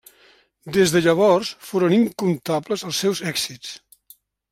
Des de llavors foren incomptables els seus èxits.